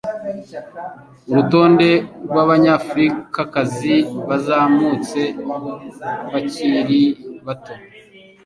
urutonde rw'abanyafurikakazi bazamutse bakiri bato .